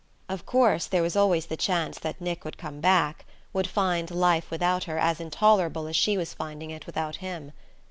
Of course there was always the chance that Nick would come back, would find life without her as intolerable as she was finding it without him.